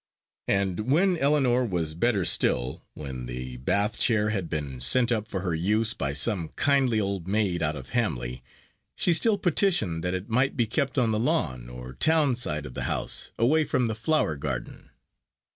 And when Ellinor was better still, when the Bath chair had been sent up for her use, by some kindly old maid, out of Hamley, she still petitioned that it might be kept on the lawn or town side of the house, away from the flower garden.